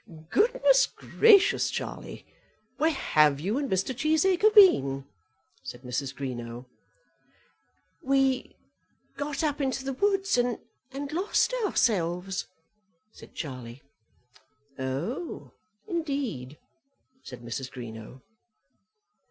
"Goodness, gracious, Charlie! where have you and Mr. Cheesacre been?" said Mrs. Greenow. "We got up into the woods and lost ourselves," said Charlie. "Oh, indeed," said Mrs. Greenow.